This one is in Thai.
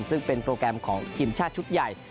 ซึ่งเป็นโปรแกรมของทีมชาติชุดใหญ่